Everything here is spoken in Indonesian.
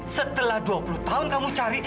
setelah dua puluh tahun kamu cari